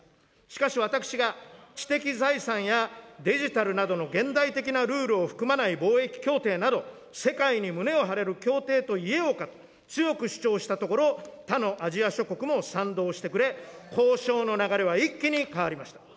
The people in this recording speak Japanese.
しかし私が知的財産やデジタルなどの現代的なルールを含まない貿易協定など、世界に胸を張れる協定と言えようかと強く主張したところ、他のアジア諸国も賛同してくれ、交渉の流れは一気に変わりました。